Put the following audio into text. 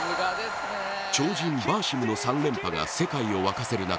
超人バーシムの３連覇が世界を沸かせる中